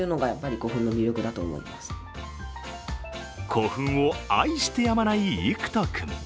古墳を愛してやまない郁仁君。